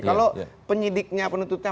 kalau penyidiknya penuntutnya